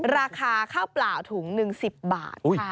ราคาข้าวเปล่าถุงหนึ่ง๑๐บาทค่ะ